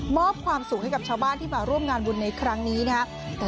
มอบความสุขให้กับชาวบ้านที่มาร่วมงานบุญในครั้งนี้นะครับ